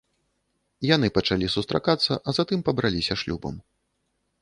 Яны пачалі сустракацца, а затым пабраліся шлюбам.